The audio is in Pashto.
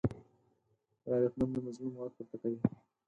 غیرتمند د مظلوم غږ پورته کوي